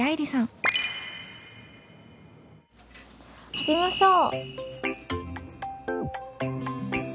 始めましょう！